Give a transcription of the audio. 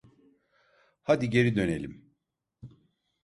Hadi geri dönelim.